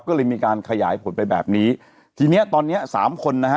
ก็เลยมีการขยายผลไปแบบนี้ทีเนี้ยตอนเนี้ยสามคนนะฮะ